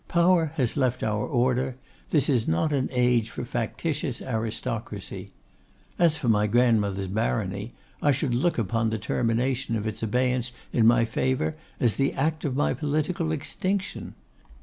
Power has left our order; this is not an age for factitious aristocracy. As for my grandmother's barony, I should look upon the termination of its abeyance in my favour as the act of my political extinction.